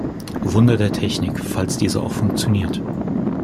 Wunder der Technik - falls diese auch funktioniert.